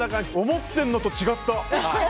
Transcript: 思ってるのと違った。